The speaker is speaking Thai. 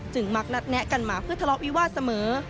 มักนัดแนะกันมาเพื่อทะเลาะวิวาสเสมอ